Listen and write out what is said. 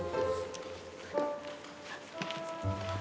gak ada hubungan